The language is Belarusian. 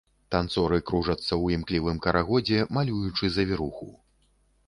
Танцоры кружацца ў імклівым карагодзе, малюючы завіруху.